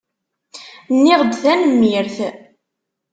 Nniɣ-d tanemmirt.